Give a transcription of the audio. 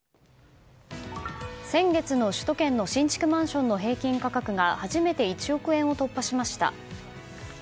先月の首都圏の新築マンションの平均価格が初めて１億円を突破しました。